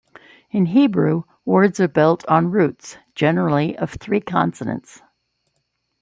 In Hebrew, words are built on "roots", generally of three consonants.